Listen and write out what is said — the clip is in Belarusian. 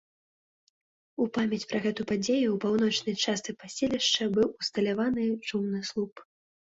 У памяць пра гэту падзею ў паўночнай частцы паселішча быў усталяваны чумны слуп.